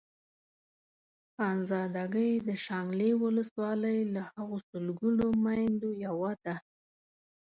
خانزادګۍ د شانګلې ولسوالۍ له هغو سلګونو ميندو يوه ده.